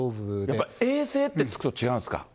やっぱり永世って付くと違うんですか。